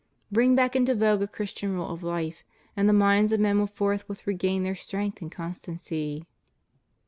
Bring back into vogue a Christian rule of life and the minds of men will forthwith regain their strength and constancy.